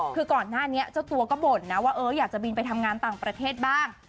คือก่อนหน้านี้เจ้าตัวก็บ่นนะว่าอยากจะบินไปทำงานต่างประเทศบ้าง